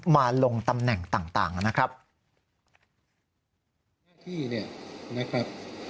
มาลงตำแหน่งต่างนะครับ